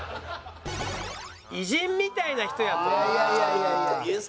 「偉人みたいな人やと思った」